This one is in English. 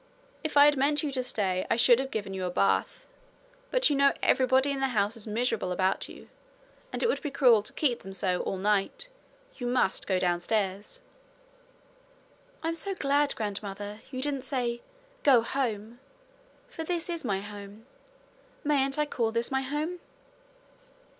If I had meant you to stay tonight, I should have given you a bath; but you know everybody in the house is miserable about you, and it would be cruel to keep them so all night. You must go downstairs.' 'I'm so glad, grandmother, you didn't say "Go home," for this is my home. Mayn't I call this my home?'